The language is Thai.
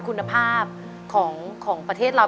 คุณภาพของประเทศเรา